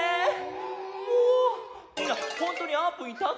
もうみんなほんとにあーぷんいたの？